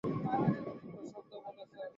দুটো শব্দ বলেছ।